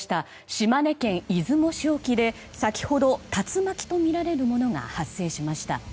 島根県出雲市沖で先ほど、竜巻とみられるものが発生しました。